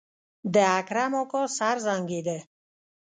د اکرم اکا سر زانګېده.